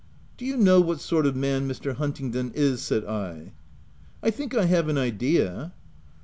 " Do you know what sort of man Mr. Hunt ingdon is ?'' said I. " I think I have an idea."